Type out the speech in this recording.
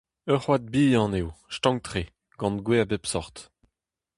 Ur c'hoad bihan eo, stank-tre, gant gwez a bep seurt.